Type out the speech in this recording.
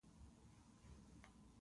لرګی دړې دړې شو.